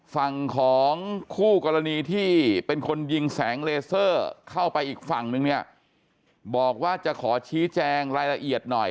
ฝั่งของคู่กรณีที่เป็นคนยิงแสงเลเซอร์เข้าไปอีกฝั่งนึงเนี่ยบอกว่าจะขอชี้แจงรายละเอียดหน่อย